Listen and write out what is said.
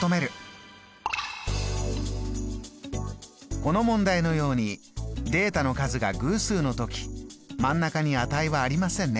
この問題のようにデータの数が偶数の時真ん中に値はありませんね。